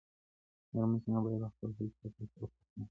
مېرمن څنګه بايد د خپل حيثيت او شرف ساتنه وکړي؟